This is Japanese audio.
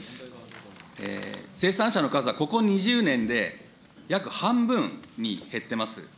生産者の数は、ここ２０年で約半分に減ってます。